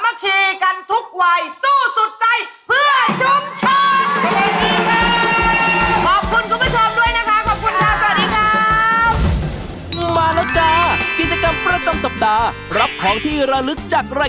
เรียบร้อยเรียบร้อยเรียบร้อยเรียบร้อย